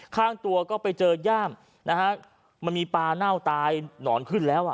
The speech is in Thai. ข้างตัวก็ไปเจอย่ามนะฮะมันมีปลาเน่าตายหนอนขึ้นแล้วอ่ะ